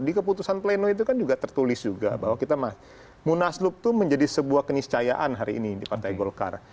di keputusan pleno itu kan juga tertulis juga bahwa kita munaslup itu menjadi sebuah keniscayaan hari ini di partai golkar